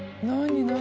何？